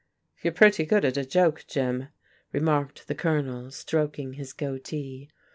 "You're pretty good at a joke, Jim," remarked the Colonel, stroking his goatee.